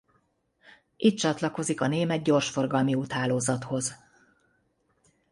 Itt csatlakozik a német gyorsforgalmi úthálózathoz.